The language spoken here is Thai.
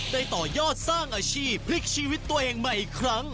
ต่อยอดสร้างอาชีพพลิกชีวิตตัวเองใหม่อีกครั้ง